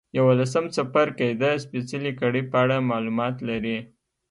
یوولسم څپرکی د سپېڅلې کړۍ په اړه معلومات لري.